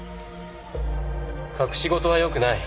隠し事はよくない。